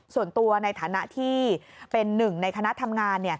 ส่วนตัวในฐานะที่เป็นหนึ่งในคณะทำงาน